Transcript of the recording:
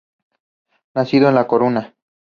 Nacido en La Coruña.